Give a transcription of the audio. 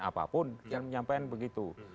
apapun dia menyampaikan begitu